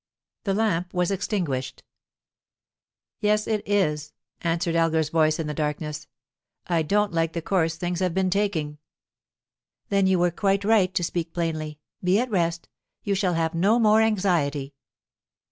The lamp was extinguished "Yes, it is," answered Elgar's voice in the darkness. "I don't like the course things have been taking." "Then you were quite right to speak plainly. Be at rest; you shall have no more anxiety."